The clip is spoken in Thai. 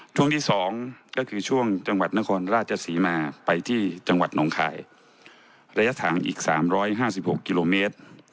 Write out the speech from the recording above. ช่วงที่๒ก็คือช่วงจังหวัดนครราชศรีมาไปที่จังหวัดหนองคายระยะทางอีก๓๕๖กิโลเมตร